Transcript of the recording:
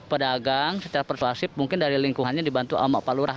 pedagang secara persuasif mungkin dari lingkungannya dibantu sama pak lurah